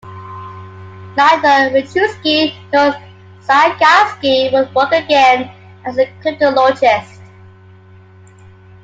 Neither Rejewski nor Zygalski would work again as cryptologists.